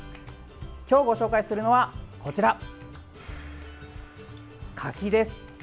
今日ご紹介するのはこちら柿です。